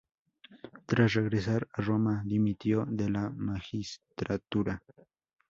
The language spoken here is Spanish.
Tras regresar a Roma, dimitió de la magistratura.